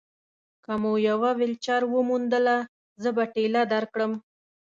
که مو یوه ویلچېر وموندله، زه به ټېله درکړم.